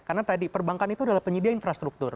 karena tadi perbankan itu adalah penyedia infrastruktur